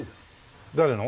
誰の？